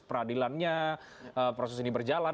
peradilannya proses ini berjalan